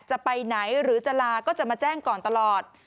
จะไปไหนหรือจะลาก็จะมาแจ้งก่อนตลอด